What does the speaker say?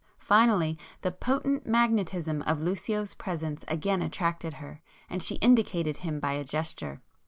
Finally, the potent magnetism of Lucio's presence again attracted her, and she indicated him by a gesture.